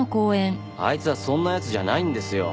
あいつはそんな奴じゃないんですよ。